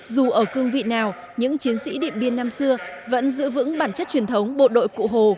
dù ở cương vị nào những chiến sĩ điện biên năm xưa vẫn giữ vững bản chất truyền thống bộ đội cụ hồ